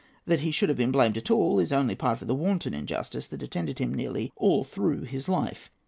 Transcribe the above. That he should have been blamed at all is only part of the wanton injustice that attended him nearly all through his life.